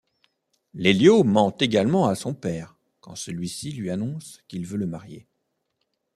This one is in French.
Lelio ment également à son père quand celui-ci lui annonce qu'il veut le marier.